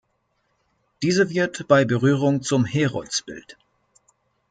Diese wird bei Berührung zum Heroldsbild.